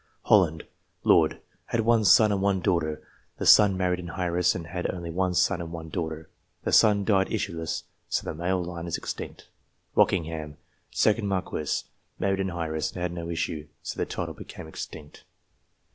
Holland, Lord. Had one son and one daughter. The son married an heiress, and had only one son and one daughter. That son died issueless ; so the male line is extinct. Rockingham, 2d Marquis. Married an heiress, and had no issue ; so the title became extinct.